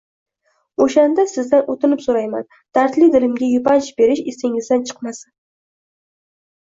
O‘shanda, sizdan o ‘tinib so‘rayman, dardli dilimga yupanch berish esingizdan chiqmasin: